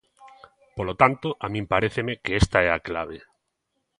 Polo tanto, a min paréceme que esta é a clave.